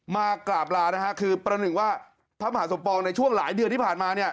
มากราบลานะฮะคือประหนึ่งว่าพระมหาสมปองในช่วงหลายเดือนที่ผ่านมาเนี่ย